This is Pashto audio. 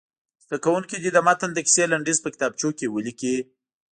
زده کوونکي دې د متن د کیسې لنډیز په کتابچو کې ولیکي.